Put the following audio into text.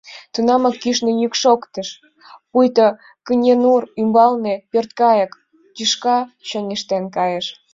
Тунамак кӱшнӧ йӱк шоктыш, пуйто кыненур ӱмбалне пӧрткайык тӱшка чоҥештен кайыш.